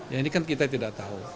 ya ini kan kita tidak tahu